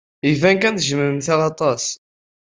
Iban kan tejjmemt-aɣ aṭas.